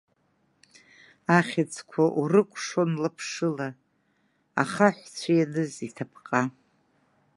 Ахьыӡқәа урыкәшон лаԥшыла, ахаҳәцәы ианыз иҭаԥҟа.